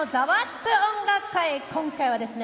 今回はですね